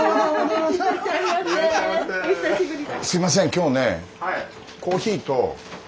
すみません今日ねコーヒーと例の。